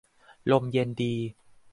ลมเย็นดี